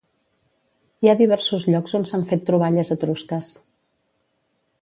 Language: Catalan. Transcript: Hi ha diversos llocs on s'han fet troballes etrusques.